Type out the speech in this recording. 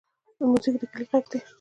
موزیک د کلي غږ دی.